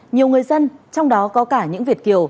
nhiều người dân trong đó có cả những việt kiều